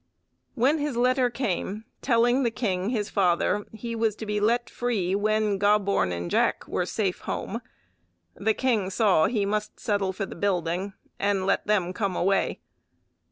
When his letter came, telling the king, his father, he was to be let free when Gobborn and Jack were safe home, the king saw he must settle for the building, and let them come away.